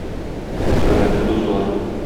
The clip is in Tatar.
Хөрмәтле дуслар!